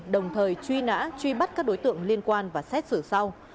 đồng thời truy nã truy bắt các đối tượng liên quan và xét xử sau